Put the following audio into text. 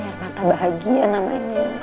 nih mata bahagia namanya